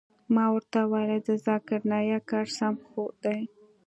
ما ورته وويل د ذاکر نايک کار سم خو دى.